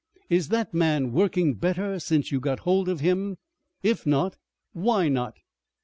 "Is that man working better since you got hold of him? If not, why not?"